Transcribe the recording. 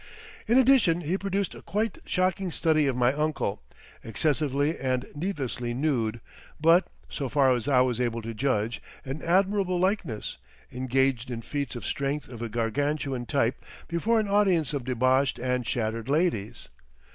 In addition he produced a quite shocking study of my uncle, excessively and needlessly nude, but, so far as I was able to judge, an admirable likeness, engaged in feats of strength of a Gargantuan type before an audience of deboshed and shattered ladies.